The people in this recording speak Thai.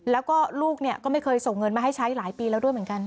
แล้วก็ลูกเนี่ยก็ไม่เคยส่งเงินมาให้ใช้หลายปีแล้วด้วยเหมือนกัน